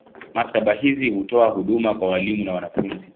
Maktaba hizi hutoa huduma kwa walimu na wanafunzi.